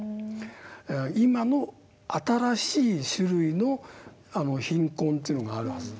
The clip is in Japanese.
今の新しい種類の「貧困」というのがあるはず。